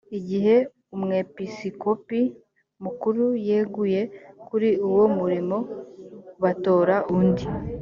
igihe umwepisikopi mukuru yeguye kuri uwo murimo batora undi.